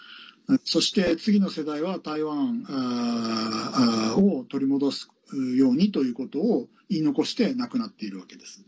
そして、次の世代は台湾を取り戻すようにということを言い残して亡くなっているわけです。